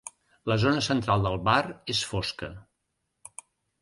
El zona central del bar és fosca.